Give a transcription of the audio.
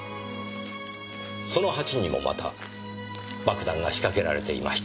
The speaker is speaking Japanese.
その鉢にもまた爆弾が仕掛けられていました。